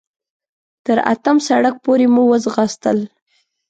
تر اتم سړک پورې مو وځغاستل.